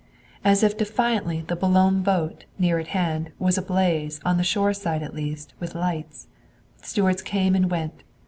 As if defiantly the Boulogne boat, near at hand, was ablaze, on the shore side at least, with lights. Stewards came and went.